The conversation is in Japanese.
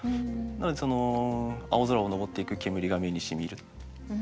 なのでその青空を上っていく煙が目にしみる。